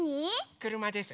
くるまです。